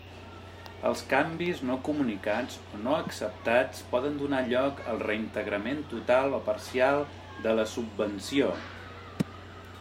Els canvis no comunicats o no acceptats poden donar lloc al reintegrament total o parcial de la subvenció.